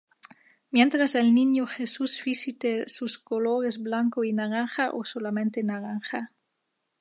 Mientras el niño Jesús viste los colores blanco y naranja o solamente naranja.